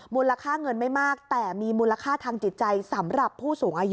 มูลค่าเงินไม่มากแต่มีมูลค่าทางจิตใจสำหรับผู้สูงอายุ